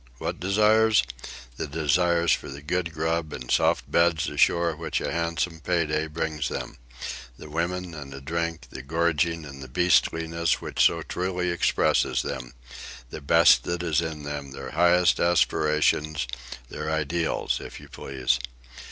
What desires? The desires for the good grub and soft beds ashore which a handsome pay day brings them—the women and the drink, the gorging and the beastliness which so truly expresses them, the best that is in them, their highest aspirations, their ideals, if you please.